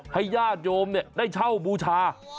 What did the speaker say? ญาติโยมได้เช่าบูชา